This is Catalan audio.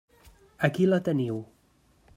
Aquí la teniu.